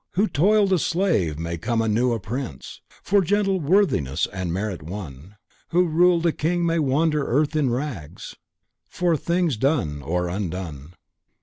Who toiled a slave may come anew a prince For gentle worthiness and merit won; Who ruled a king may wander earth in rags For things done or undone."